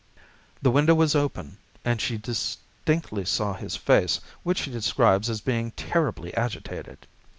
The window was open, and she distinctly saw his face, which she describes as being terribly agitated.